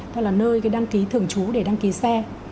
tức là nơi cái đăng ký thường trú để đăng ký xe